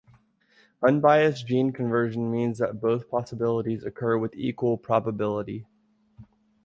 Unbiased gene conversion means that both possibilities occur with equal probability.